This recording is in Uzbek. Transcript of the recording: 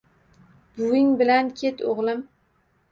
Buving bilan ket, oʻgʻlim…